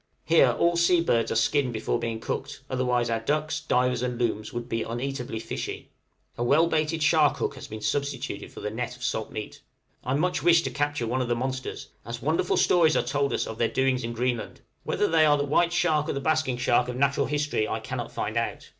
Here all sea birds are skinned before being cooked, otherwise our ducks, divers, and looms would be uneatably fishy. A well baited shark hook has been substituted for the net of salt meat; I much wish to capture one of the monsters, as wonderful stories are told us of their doings in Greenland: whether they are the white shark or the basking shark of natural history I cannot find out.